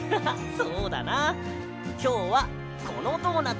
そうだな。